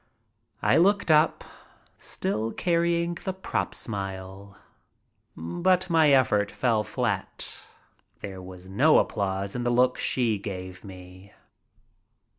I looked up, still carrying the "prop" smile, but my effort fell flat. There was no applause in the look she gave me.